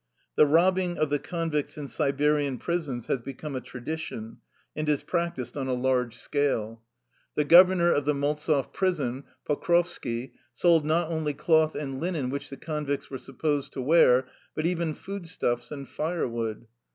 The robbing of the convicts in Siberian prisons has become a tradition, and is practised on a large scale. 192 THE LIFE STOEY OF A RUSSIAN EXILE The governor of the Maltzev prison, Pokrovski, sold not only cloth and linen which the convicts were supposed to wear, but even foodstuffs and firewood.